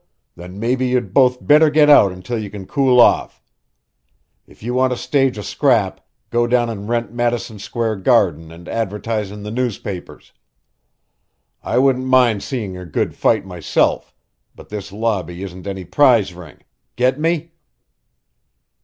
Then maybe you'd both better get out until you can cool off. If you want to stage a scrap, go down and rent Madison Square Garden and advertise in the newspapers. I wouldn't mind seeing a good fight myself. But this lobby isn't any prize ring. Get me?"